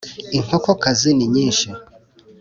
Inkokokazi ni nyinshi